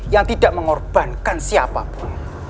yang tidak mengorbankan siapa pun